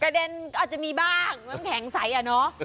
กะเด่นก็จะมีบ้างน้ำแข็งใสอ่ะเนอะ